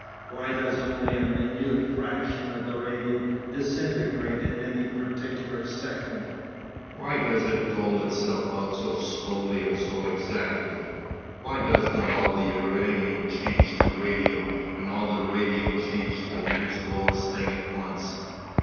'Why does only a minute fraction of the radium disintegrate in any particular second? Why does it dole itself out so slowly and so exactly? Why does not all the uranium change to radium and all the radium change to the next lowest thing at once?